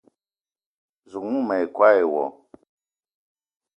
Zouk mou ma yi koo e wo